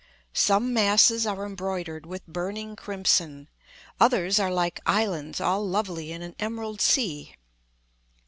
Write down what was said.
Some masses are embroidered with burning crimson; others are like "islands all lovely in an emerald sea."